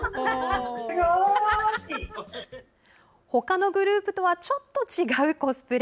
ほかのグループとはちょっと違うコスプレ。